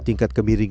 yang telah berhenti